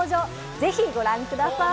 ぜひご覧ください。